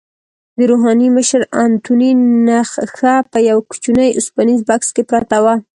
د روحاني مشر انتوني نخښه په یوه کوچني اوسپنیز بکس کې پرته وه.